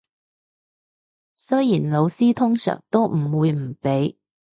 雖然老師通常都唔會唔俾